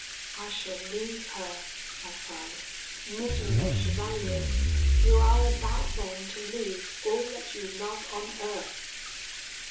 'I shall lose her!' I cried; 'miserable chevalier! you are about then to lose all that you love on earth!'